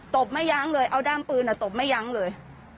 บไม่ยั้งเลยเอาด้ามปืนตบไม่ยั้งเลย